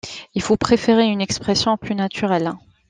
Il faut préférer une expression plus naturelle.